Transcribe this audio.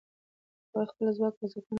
هغه د خپل ځواک ځواکمن او ځیرک و.